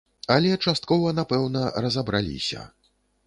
Але часткова, напэўна, разабраліся.